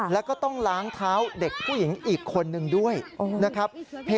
แล้วก็ต้องล้างเท้าเด็กผู้หญิงอีกคนนึงด้วยนะครับ